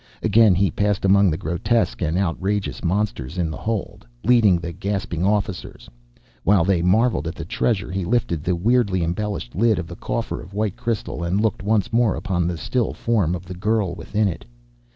Again he passed among the grotesque and outrageous monsters in the hold, leading the gasping officers. While they marveled at the treasure, he lifted the weirdly embellished lid of the coffer of white crystal, and looked once more upon the still form of the girl within it.